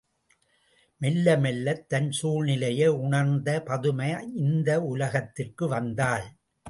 மெல்ல மெல்ல தன் சூழ்நிலையை உணர்ந்த பதுமை இந்த உலகிற்கு வந்தாள்.